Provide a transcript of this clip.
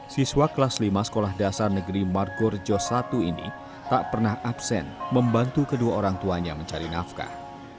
siswa kelas lima sekolah dasar negeri margorejo satu ini tak pernah absen membantu kedua orang tuanya mencari nafkah